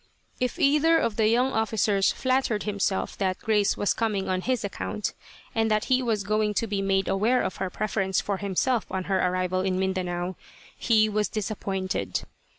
If either of the young officers flattered himself that Grace was coming on his account, and that he was going to be made aware of her preference for himself on her arrival in Mindanao, he was disappointed.